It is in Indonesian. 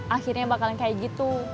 akhirnya bakalan kayak gitu